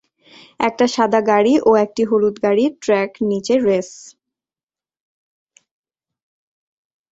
একটি সাদা গাড়ি এবং একটি হলুদ গাড়ি ট্র্যাক নিচে রেস